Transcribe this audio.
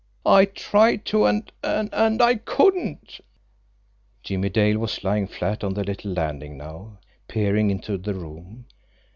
I tried to and and I couldn't." Jimmie Dale was lying flat on the little landing now, peering into the room.